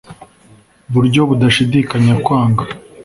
buryo budashidikanya kwanga